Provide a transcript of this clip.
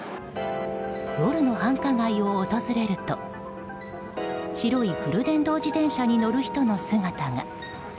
夜の繁華街を訪れると白いフル電動自転車に乗る人の姿が。